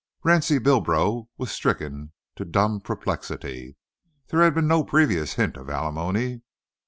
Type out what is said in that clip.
Ransie Bilbro was stricken to dumb perplexity. There had been no previous hint of alimony.